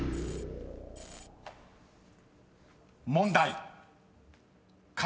［問題］